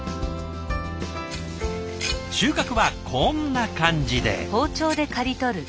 収穫はこんな感じで。